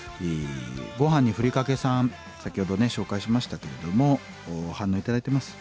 ごはんにふりかけさん先ほどね紹介しましたけれども反応頂いてます。